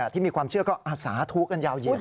ที่มีความเชื่อก็สาธุกันยาวเหยีย